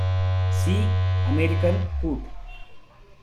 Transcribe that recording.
See American coot.